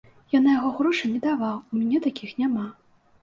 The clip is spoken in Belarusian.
Я на яго грошы не даваў, у мяне такіх няма.